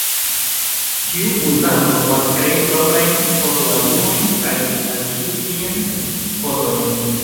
Ĉiu uzanto povas krei proprajn fotoalbumojn kaj alŝuti tien fotojn.